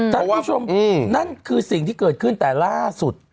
เพราะว่านั่นคือสิ่งที่เกิดขึ้นแต่ล่าสุด